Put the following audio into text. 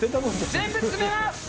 全部詰めます。